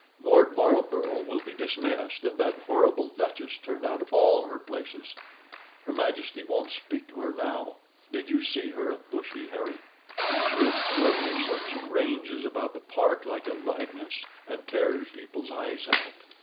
"Lord Marlborough will be dismissed, and that horrible duchess turned out of all her places. Her Majesty won't speak to her now. Did you see her at Bushy, Harry? She is furious, and she ranges about the park like a lioness, and tears people's eyes out."